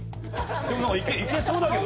行けそうだけどね。